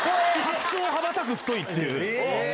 白鳥羽ばたく太いっていう。